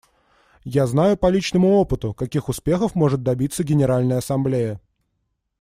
Я знаю по личному опыту, каких успехов может добиться Генеральная Ассамблея.